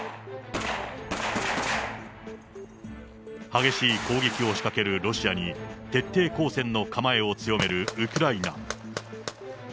激しい攻撃を仕掛けるロシアに、徹底抗戦の構えを強めるウクライナ。